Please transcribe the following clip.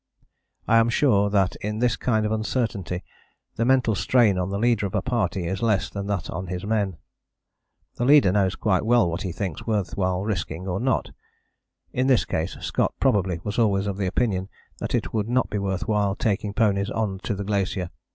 I am sure that in this kind of uncertainty the mental strain on the leader of a party is less than that on his men. The leader knows quite well what he thinks worth while risking or not: in this case Scott probably was always of the opinion that it would not be worth while taking ponies on to the glacier.